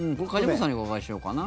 梶本さんにお伺いしようかな。